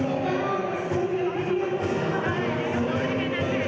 ท่านโอเค